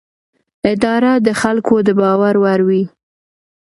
اداره د خلکو د باور وړ وي.